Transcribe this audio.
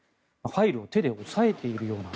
ファイルを手で押さえているような